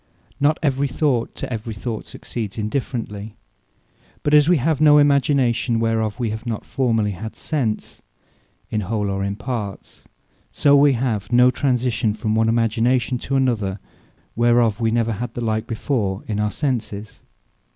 Not every Thought to every Thought succeeds indifferently. But as wee have no Imagination, whereof we have not formerly had Sense, in whole, or in parts; so we have no Transition from one Imagination to another, whereof we never had the like before in our Senses.